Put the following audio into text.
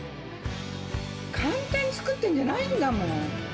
簡単に作ってんじゃないんだもん。